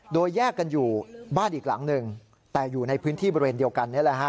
โดยแยกกันอยู่บ้านอีกหลังหนึ่งแต่อยู่ในพื้นที่บริเวณเดียวกันนี่แหละฮะ